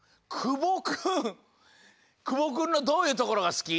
くぼくんのどういうところがすき？